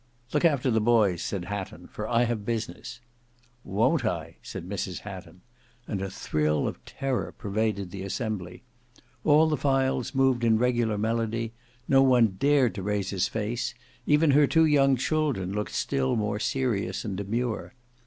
"Look after the boys," said Hatton, "for I have business." "Won't I?" said Mrs Hatton; and a thrill of terror pervaded the assembly. All the files moved in regular melody; no one dared to raise his face; even her two young children looked still more serious and demure.